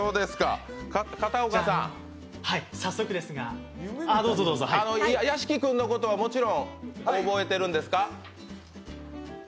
片岡さん、屋敷君のことはもちろん覚えてるんですか？